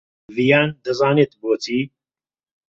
ڤیان دەزانێت بۆچی.